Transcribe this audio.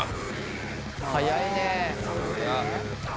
早いね。